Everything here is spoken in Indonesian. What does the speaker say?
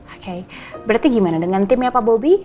oke berarti gimana dengan timnya pak bobi